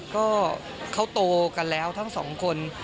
ก็เขาโตกันแล้วทั้งสองคน